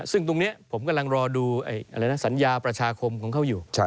ซึ่งตรงนี้ผมกำลังรอดูสัญญาประชาคมของเขาอยู่